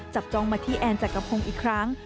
จองมาที่แอนจักรพงศ์อีกครั้ง